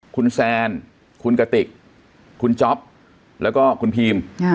คุณแซนคุณกติกคุณจ๊อปแล้วก็คุณพีม